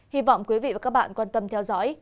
hy vọng quý vị và các bạn quan tâm theo dõi